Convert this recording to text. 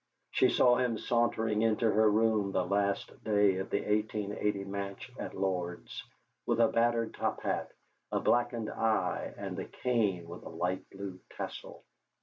She saw him sauntering into her room the last day of the 1880 match at Lord's, with a battered top hat, a blackened eye, and a cane with a light blue tassel.